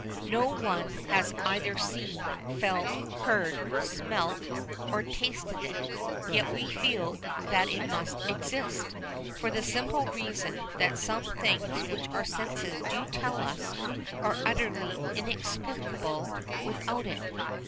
No one has either seen, felt, heard, smelt or tasted it. Yet we feel that it must exist, for the simple reason that some things which our senses do tell us of are utterly inexplicable without it.